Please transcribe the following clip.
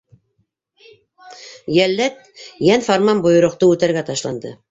Йәлләт йән-фарман бойороҡто үтәргә ташланды.